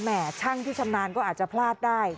ช่างที่ชำนาญก็อาจจะพลาดได้